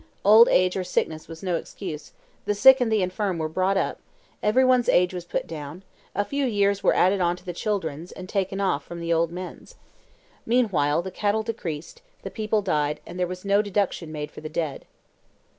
Old age or sickness was no excuse; the sick and the infirm were brought up; every one's age was put down; a few years were added on to the children's, and taken off from the old men's. Meanwhile the cattle decreased, the people died, and there was no deduction made for the dead."